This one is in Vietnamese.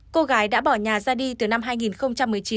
cô gái đã bỏ nhà ra đi từ năm hai nghìn một mươi chín